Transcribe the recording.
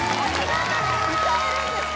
歌えるんですか！？